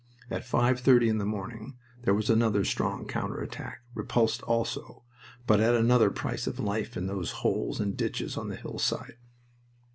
At five thirty in the morning there was another strong counter attack, repulsed also, but at another price of life in those holes and ditches on the hillside.